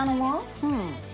うん。